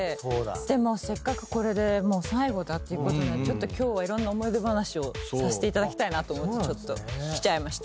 でせっかくこれでもう最後だっていうことで今日はいろんな思い出話をさせていただきたいなと思って来ちゃいました。